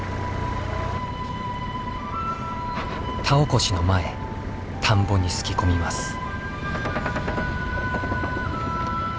田起こしの前田んぼにすき込みます。